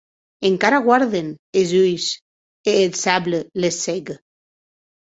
Encara guarden es uelhs, e eth sable les cègue.